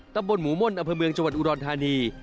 ตำบลหมูม่นอำเภอเมืองจังหวัดอุดรธานี